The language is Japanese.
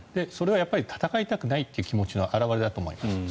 それは戦いたくないという気持ちの表れだと思います。